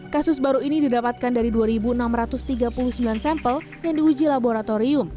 kasus baru ini didapatkan dari dua enam ratus tiga puluh sembilan sampel yang diuji laboratorium